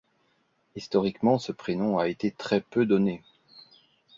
Historiquement, ce prénom a été très peu donné.